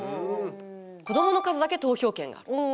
子どもの数だけ投票権がある。